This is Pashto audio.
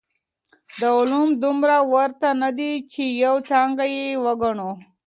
دا علوم دومره ورته نه دي چي يوه څانګه يې وګڼو.